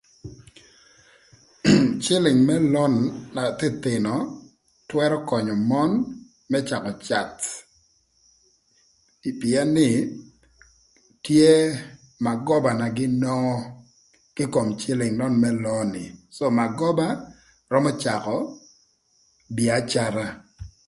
Cïlïng më lon na thïnöthïnö twërö könyö mon më cakö cath pïën nï tye magoba na gïn nwongo kï kom cïlïng nön më lon ni so bagoba römö cakö bïacara.